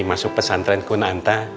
masuk pesantren kunanta